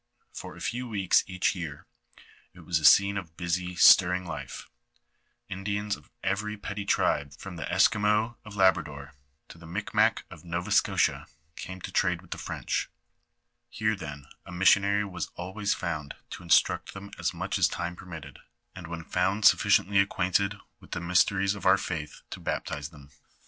For a few weeks each year, it was a scene of busy, stirring life; Indians of every petty tribe from the Esquimaux of Labrador, to the Mictnac of Nova Scotia, came to trade with the French. Heie, then, a missionary was always found to instruct them as mnch as time permitted, and when found sufficiently acquainted with the xlvi LIFK OF FATHER MARQUKITK. iMiiiJ I IIMIB l!i mysteries of our faitli, to baptize them.